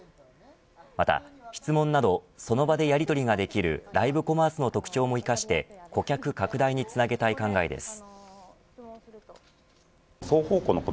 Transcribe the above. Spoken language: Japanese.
また、質問などその場でやりとりができるライブコマースの特徴も生かして顧客拡大につなげたい考えです。